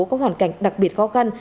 có hoàn cảnh đặc biệt khó khăn